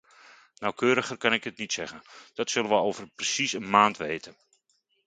Nauwkeuriger kan ik het niet zeggen; dat zullen we over precies een maand weten.